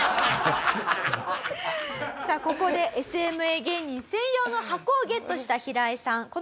さあここでＳＭＡ芸人専用のハコをゲットしたヒライさん。